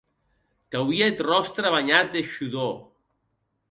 Qu'auie eth ròstre banhat de shudor.